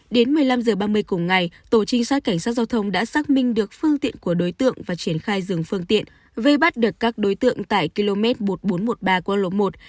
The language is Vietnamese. đến một mươi năm h ba mươi cùng ngày tổ trinh sát cảnh sát giao thông đã xác minh được phương tiện của đối tượng và triển khai dừng phương tiện vây bắt được các đối tượng tại km một nghìn bốn trăm một mươi ba qua lộ một